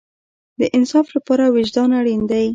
د انصاف لپاره وجدان اړین دی